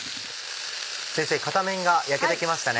先生片面が焼けて来ましたね。